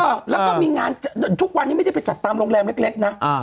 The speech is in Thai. เออแล้วก็มีงานทุกวันนี้ไม่ได้ไปจัดตามโรงแรมเล็กนะ